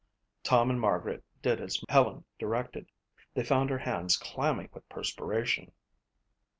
Tom and Margaret did as Helen directed. They found her hands clammy with perspiration.